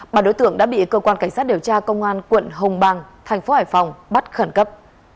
bà đối tượng đã bị cơ quan cảnh sát điều tra công an quận hồng bàng thành phố hải phòng bắt khẩn cấp